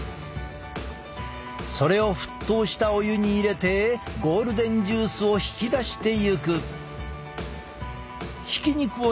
それを沸騰したお湯に入れてゴールデンジュースを引き出していく。